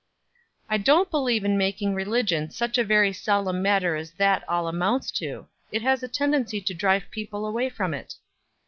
"I don't believe in making religion such a very solemn matter as that all amounts to; it has a tendency to drive people away from it."